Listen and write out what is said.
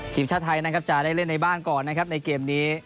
ทีมชาติไทยนะครับจะได้เล่นในบ้านก่อนนะครับในเกมนี้